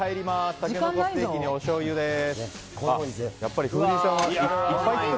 タケノコステーキにおしょうゆです。